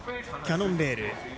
キャノンレール。